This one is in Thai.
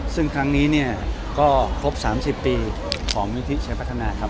ซึ่งครั้งนี้ก็ครบ๓๐ปีของมืออิทธิใช้พัฒนาครับ